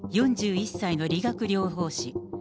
４１歳の理学療法士。